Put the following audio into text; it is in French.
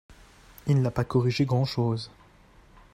Il n’a pas corrigé grand-chose